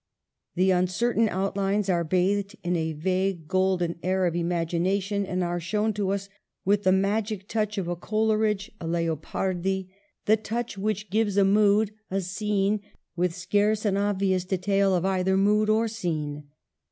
The uncertain outlines are bathed in a vague golden air of imagination, and are shown to us with the magic touch of a Coleridge, a Leopardi WRITING POETRY. 175 — the touch which gives a mood, a scene, with scarce an obvious detail of either mood or scene.